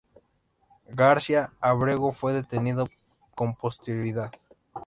García-Ábrego fue detenido con posterioridad.